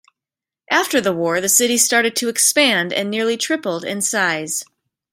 After the war, the city started to expand and nearly tripled in size.